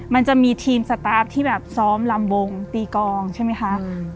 มันจะมีทีมสตาร์ฟที่แบบซ้อมลำวงตีกองใช่ไหมคะ